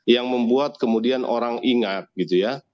yang membuat kemudian orang ingat gitu ya